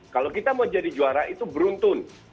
kalau kita mau jadi juara itu beruntun